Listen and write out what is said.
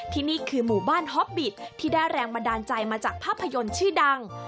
ที่นี่คือหมู่บ้านฮอปบิตที่ได้แรงบันดาลใจมาจากภาพยนตร์ชื่อดัง